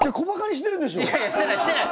してないしてない！